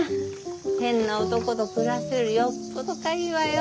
変な男と暮らすよりよっぽどかいいわよ。